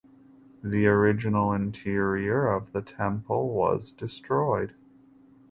The original interior of the temple was destroyed.